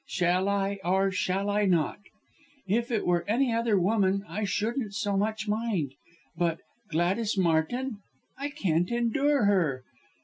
Shall I or shall I not? If it were any other woman I shouldn't so much mind but Gladys Martin! I can't endure her.